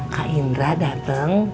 kak indra dateng